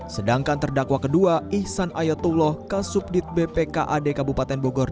sedangkan terdakwa kedua ihsan ayatullah kasubdit bpkad kabupaten bogor